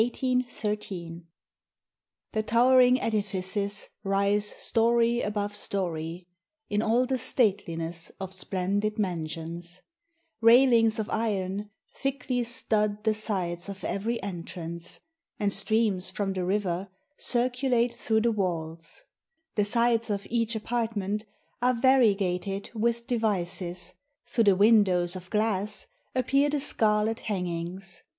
_ The towering edifices rise story above story, In all the stateliness of splendid mansions: Railings of iron thickly stud the sides of every entrance; And streams from the river circulate through the walls; The sides of each apartment are variegated with devices; Through the windows of glass appear the scarlet hangings.